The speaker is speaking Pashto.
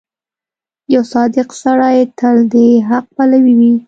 • یو صادق سړی تل د حق پلوی وي.